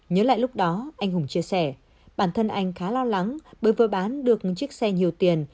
nhớ lại lúc đó anh hùng chia sẻ bản thân anh khá lo lắng bởi vừa bán được chiếc xe nhiều tiền